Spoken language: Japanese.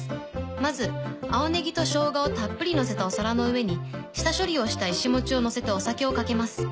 まず青ネギと生姜をたっぷりのせたお皿の上に下処理をしたイシモチをのせてお酒をかけます。